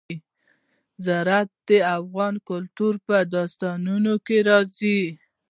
زراعت د افغان کلتور په داستانونو کې راځي.